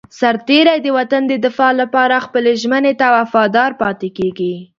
سرتېری د وطن د دفاع لپاره خپلې ژمنې ته وفادار پاتې کېږي.